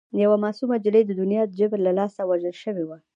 یوه معصومه نجلۍ د دنیا د جبر له لاسه وژل شوې وه